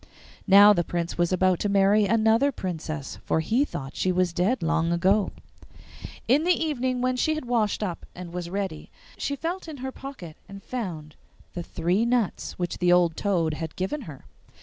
Now the Prince was about to marry another princess, for he thought she was dead long ago. In the evening, when she had washed up and was ready, she felt in her pocket and found the three nuts which the old toad had given her.